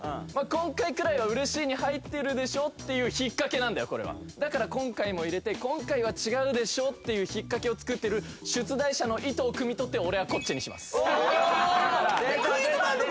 今回ぐらいは「嬉しい」に入ってるっていうひっかけなんだよだから今回も入れて今回は違うでしょっていうひっかけを作ってる出題者の意図をくみ取って俺はこっちにします